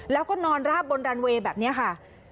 แล้วก็นอนราบบนรันเวย์แบบนี้ค่ะ